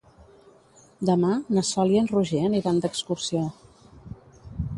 Demà na Sol i en Roger aniran d'excursió.